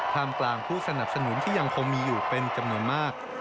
กลางผู้สนับสนุนที่ยังคงมีอยู่เป็นจำนวนมาก